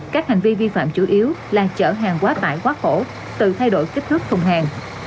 các hành vi vi phạm chủ yếu là chở hàng quá tải quá khổ tự thay đổi kích thước thùng hàng